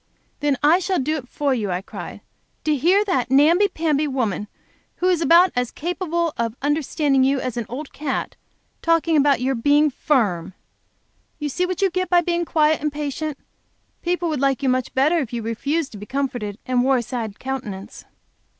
"Then I shall do it for you!" I cried. "To hear that namby pamby woman, who is about as capable of understanding you as an old cat, talking about your being firm! You see what you get by being quiet and patient! People would like you much better if you refused to be comforted, and wore a sad countenance."